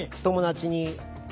友達に。